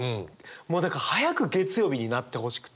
もうだから早く月曜日になってほしくて。